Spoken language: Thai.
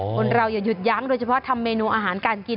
คนเราอย่าหยุดยั้งโดยเฉพาะทำเมนูอาหารการกิน